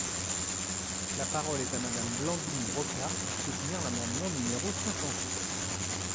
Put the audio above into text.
La parole est à Madame Blandine Brocard, pour soutenir l’amendement numéro cinq cent six.